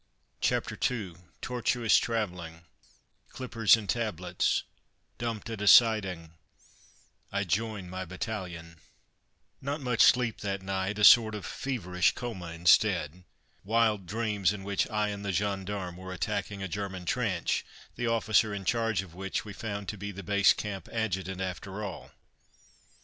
CHAPTER II TORTUOUS TRAVELLING CLIPPERS AND TABLETS DUMPED AT A SIDING I JOIN MY BATTALION Not much sleep that night, a sort of feverish coma instead: wild dreams in which I and the gendarme were attacking a German trench, the officer in charge of which we found to be the Base Camp Adjutant after all.